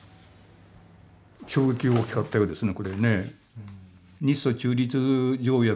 衝撃が大きかったようですねこれね。